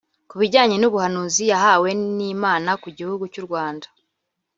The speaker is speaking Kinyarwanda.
Ku bijyanye n’ubuhanuzi yahawe n’Imana ku gihugu cy’u Rwanda